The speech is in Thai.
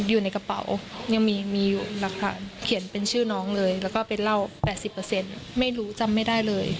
อยู่ในกระเป๋ายังมีอยู่หลักฐานเขียนเป็นชื่อน้องเลยแล้วก็เป็นเหล้า๘๐ไม่รู้จำไม่ได้เลย